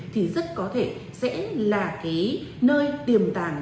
thì rất có thể sẽ là cái nơi tiềm tàng